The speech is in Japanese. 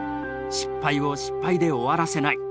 失敗を失敗で終わらせない。